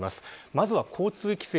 まずは交通規制。